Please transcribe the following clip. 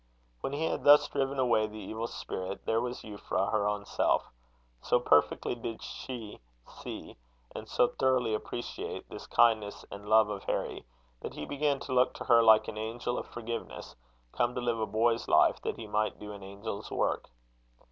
When he had thus driven away the evil spirit, there was Euphra her own self. So perfectly did she see, and so thoroughly appreciate this kindness and love of Harry, that he began to look to her like an angel of forgiveness come to live a boy's life, that he might do an angel's work.